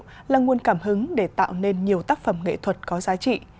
điện biên phủ là nguồn cảm hứng để tạo nên nhiều tác phẩm nghệ thuật có giá trị